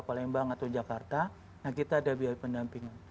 palembang atau jakarta nah kita ada biaya pendampingan